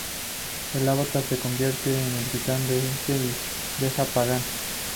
El Avatar se convierte en el Titán de Éter y deja Pagan.